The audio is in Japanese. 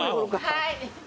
はい。